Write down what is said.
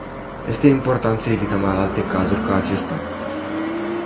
Este important să evităm alte cazuri ca acesta.